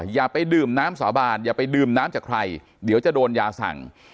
อย่าไปดื่มน้ำสาบานอย่าไปดื่มน้ำจากใครเดี๋ยวจะโดนยาสั่ง